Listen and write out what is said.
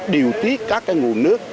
điều tiết các cái nguồn nước